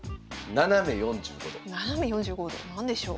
斜め４５度？何でしょう？